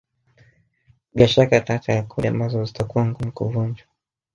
Bila shaka ataacha rekodi ambazo zitakuwa ngumu kuvunjwa